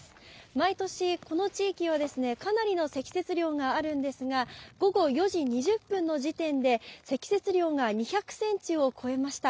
毎年、この地域はかなりの積雪量があるんですが、午後４時２０分の時点で積雪量が２００センチを超えました。